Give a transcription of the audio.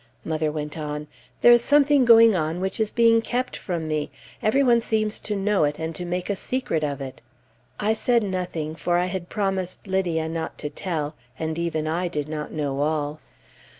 Mother went on: "There is something going on, which is to be kept from me. Every one seems to know it, and to make a secret of it." I said nothing, for I had promised Lydia not to tell; and even I did not know all.